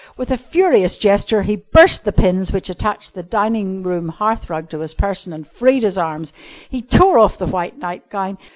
With a furious gesture he burst the pins which attached the dining room hearth rug to his person and freed his arms. He tore off the white nightgown.